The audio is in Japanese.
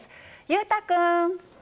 裕太君。